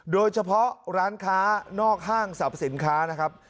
โดยเฉพาะร้านค้านอกห้างสรรพสินค้านะครับ